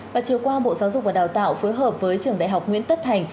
và chiều qua bộ giáo dục và đào tạo phối hợp với trường đại học nguyễn tất thành